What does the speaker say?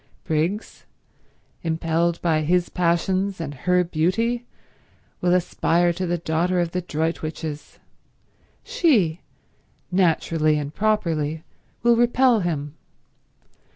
Briggs, impelled by his passions and her beauty, will aspire to the daughter of the Droitwiches. She, naturally and properly, will repel him.